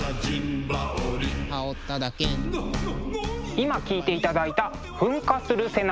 今聴いていただいた「噴火する背中」。